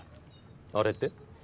あれって？